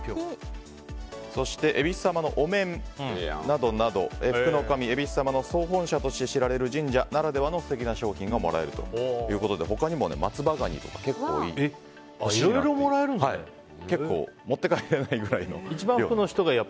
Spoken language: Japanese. えびす様のお面などなど福の神、えびす様の総本社と知られる神社の素敵な賞品がもらえるということで他にもマツバガニとか結構持って帰れないくらいの。